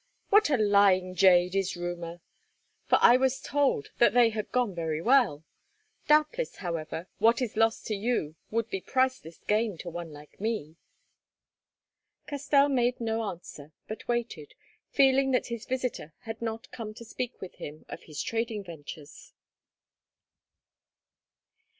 "What a lying jade is rumour! For I was told that they had gone very well. Doubtless, however, what is loss to you would be priceless gain to one like me." Castell made no answer, but waited, feeling that his visitor had not come to speak with him of his trading ventures.